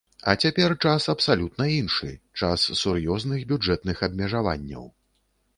А цяпер час абсалютна іншы, час сур'ёзных бюджэтных абмежаванняў.